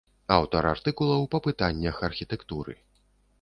Аўтар артыкулаў па пытаннях архітэктуры.